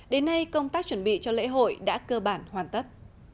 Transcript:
đến nay công tác chuẩn bị cho lễ hội đã cơ bản hoàn tất